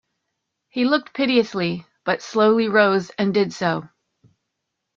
He looked piteously, but slowly rose and did so.